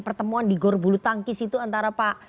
pertemuan di gorbulutangkis itu antara pak